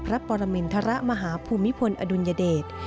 พระปรมิณฑระมหาภูมิพลอดุลยเดช